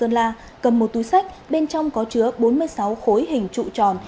sơn la cầm một túi sách bên trong có chứa bốn mươi sáu khối hình trụ tròn